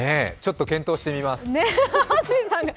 ちょっと検討してみますって。